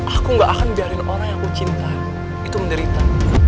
aku gak akan biarin orang yang aku cinta itu menderita